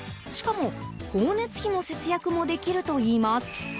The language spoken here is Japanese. しかも光熱費の節約もできるといいます。